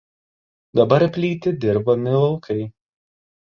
Dabar plyti dirbami laukai.